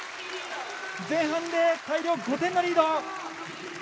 前半で大量５点のリード！